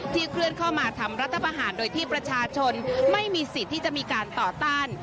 เคลื่อนเข้ามาทำรัฐประหารโดยที่ประชาชนไม่มีสิทธิ์ที่จะมีการต่อต้าน